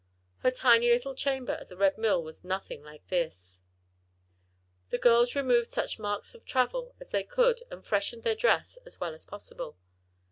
Her tiny little chamber at the Red Mill was nothing like this. The girls removed such marks of travel as they could and freshened their dress as well as possible.